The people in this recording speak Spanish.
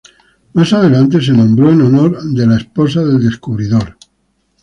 Más adelante se nombró en honor de la esposa del descubridor.